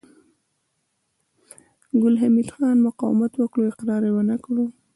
ګل حمید خان مقاومت وکړ او اقرار يې ونه کړ